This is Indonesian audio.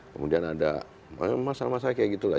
kemudian ada masalah masalah kayak gitu lah